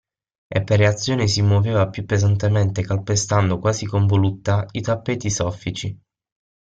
E per reazione si muoveva più pesantemente calpestando quasi con voluttà i tappeti soffici.